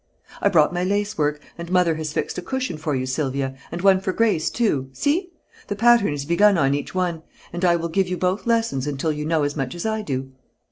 "I brought my lace work, and Mother has fixed a cushion for you, Sylvia, and one for Grace, too. See! The pattern is begun on each one, and I will give you both lessons until you know as much as I do."